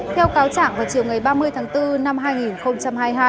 theo cáo trạng vào chiều ngày ba mươi tháng bốn năm hai nghìn hai mươi hai